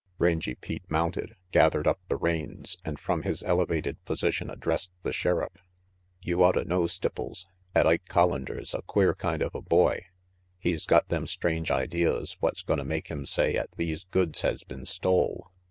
Rangy Pete mounted, gathered up the reins, and from his elevated position addressed the Sheriff. "You otta know, Stipples, 'at Ike Collander's a queer kind of a boy He's got them strange ideas what's gonna make him say 'at these goods has been stole.